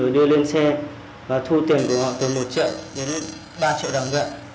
đưa lên xe và thu tiền của họ từ một triệu đến ba triệu đồng vậy